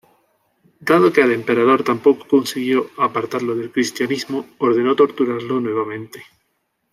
Dado que el emperador tampoco consiguió apartarlo del cristianismo, ordenó torturarlo nuevamente.